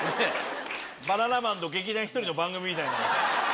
バナナマンと劇団ひとりの番組みたいな。